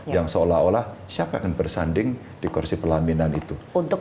yang seolah olah siapa yang akan bersanding di kursi pelaminan itu